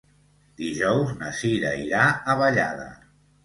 Dijous na Sira irà a Vallada.